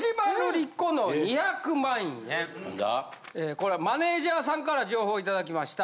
これはマネージャーさんから情報頂きました。